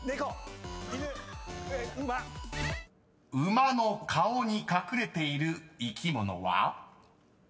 ［馬の顔に隠れている生き物は？］